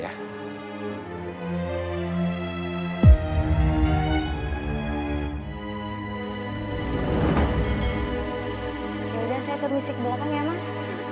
yaudah saya permisi ke bawah kam ya mas